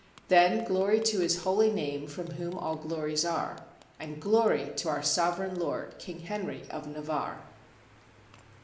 Then glory to his holy name, from whom all glories are; And glory to our sovereign lord, King Henry of Navarre.